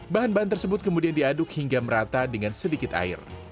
bahan bahan tersebut kemudian diaduk hingga merata dengan sedikit air